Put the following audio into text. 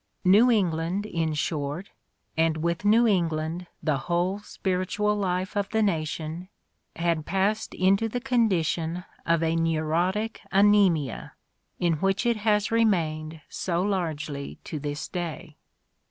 New England, in short, and with New England the whole spiritual life of the nation, had passed into the condition of a neurotic anaemia in which it has remained so largely to this day.